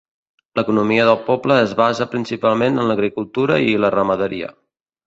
L'economia del poble es basa principalment en l'agricultura i la ramaderia.